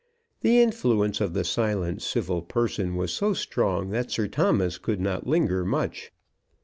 The influence of the silent, civil person was so strong that Sir Thomas could not linger much.